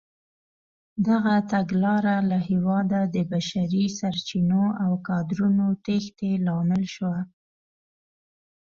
دغه تګلاره له هېواده د بشري سرچینو او کادرونو تېښتې لامل شوه.